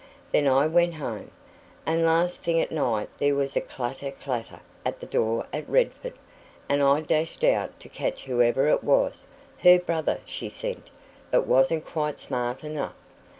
Then I went home. And last thing at night there was a clatter clatter at the door at Redford, and I dashed out to catch whoever it was her brother she sent but wasn't quite smart enough.